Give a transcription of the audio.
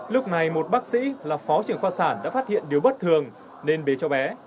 lúc này một bác sĩ là phó trưởng khoa sản đã phát hiện điều bất thường nên bế cháu bé